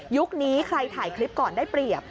นี้ใครถ่ายคลิปก่อนได้เปรียบ